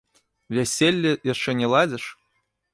Вяселля яшчэ не ладзіш?